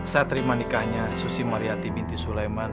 saya terima nikahnya susi mariati binti sulaiman